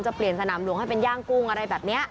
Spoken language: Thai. เปลี่ยนสนามหลวงให้เป็นย่างกุ้งอะไรแบบนี้